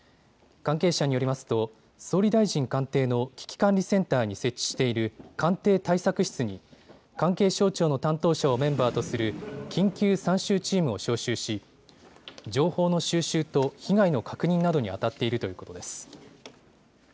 関係者によりますと総理大臣官邸の危機管理センターに設置している官邸対策室に関係省庁の担当者をメンバーとする緊急参集チームを招集し情報の収集と被害の確認などにあたっているということです。